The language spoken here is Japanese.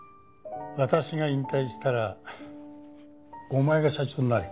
私が引退したらお前が社長になれ。